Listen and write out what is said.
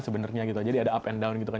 sebenarnya gitu jadi ada up and down gitu kan